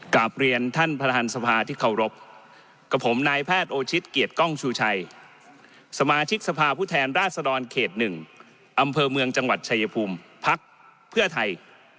กลับเรียนท่านประธานสภาที่เคารพกับผมนายแพทย์โอชิตเกียรติกล้องชูชัยสมาชิกสภาพผู้แทนราชดรเขต๑อำเภอเมืองจังหวัดชายภูมิพักเพื่อไทย